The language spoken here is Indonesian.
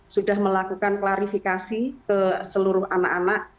sudah melakukan klarifikasi ke seluruh anak anak